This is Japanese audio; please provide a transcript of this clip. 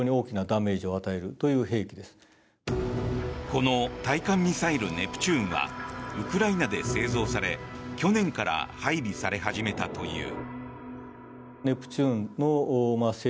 この対艦ミサイルネプチューンはウクライナで製造され去年から配備され始めたという。